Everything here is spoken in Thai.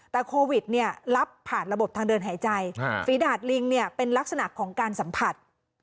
แต่โควิดรับผ่านระบบทางเดินหายใจฝีดาดลิงเนี่ยเป็นลักษณะของการสัมผัส